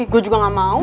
gue juga gak mau